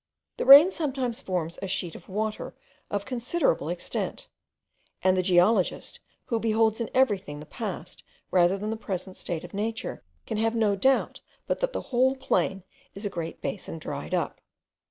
The rain sometimes forms a sheet of water of considerable extent; and the geologist, who beholds in everything the past rather than the present state of nature, can have no doubt but that the whole plain is a great basin dried up.